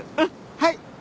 はい。